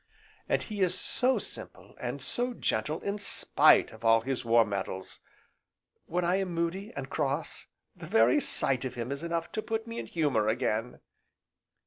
And he is so simple, and so gentle in spite of all his war medals. When I am moody, and cross, the very sight of him is enough to put me in humour again."